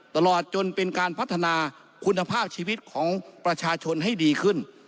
ตลอดจนเป็นการพัฒนาคุณภาพชีวิตของประชาชนให้ดีขึ้น